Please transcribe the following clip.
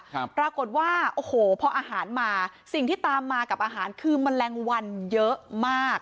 ปรากฏว่าโอ้โหพออาหารมาสิ่งที่ตามมากับอาหารคือแมลงวันเยอะมาก